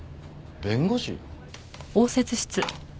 弁護士？